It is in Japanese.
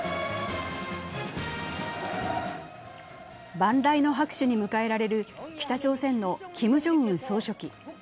万雷の拍手に迎えられる北朝鮮のキム・ジョンウン総書記。